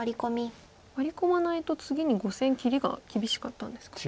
ワリ込まないと次に５線切りが厳しかったんですか。